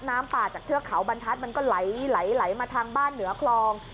น้ำป่าจากเทือกเขาบรรทัศน์มันก็ไหลมาทางบ้านเหนือคลอง